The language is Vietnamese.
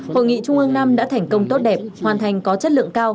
hội nghị trung ương năm đã thành công tốt đẹp hoàn thành có chất lượng cao